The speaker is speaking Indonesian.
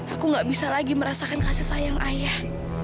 aku gak bisa lagi merasakan kasih sayang ayah